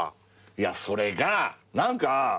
いやそれが何か。